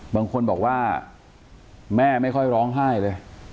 บางคนบอกว่าแม่ไม่ค่อยร้องไห้เลย